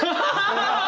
ハハハハ！